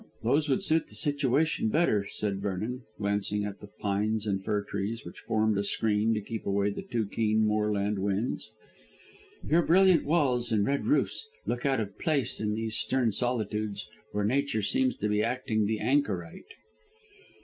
"Those would suit the situation better," said Vernon, glancing at the pines and fir trees, which formed a screen to keep away the too keen moorland winds. "Your brilliant walls and red roofs look out of place in these stern solitudes, where Nature seems to be acting the anchorite."